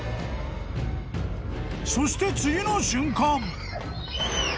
［そして次の瞬間］